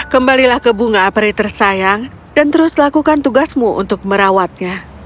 kembalilah ke bunga aperi tersayang dan terus lakukan tugasmu untuk merawatnya